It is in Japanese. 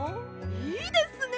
いいですね！